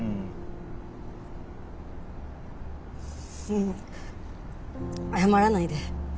ううん謝らないで。